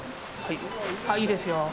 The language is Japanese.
ああ、いいですよ。